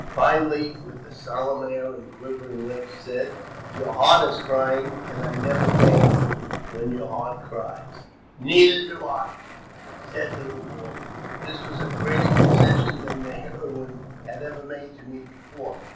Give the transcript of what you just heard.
Pine Leaf, with solemn air and quivering lip, said, Your heart is crying, and I never dance when your heart cries." " Neither do I," said the little woman. This was a greater concession than the heroine had ever made to me before.